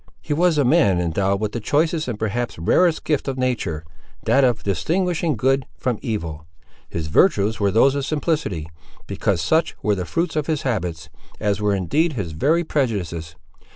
He was a man endowed with the choicest and perhaps rarest gift of nature; that of distinguishing good from evil. His virtues were those of simplicity, because such were the fruits of his habits, as were indeed his very prejudices.